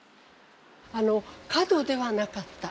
あの角ではなかった。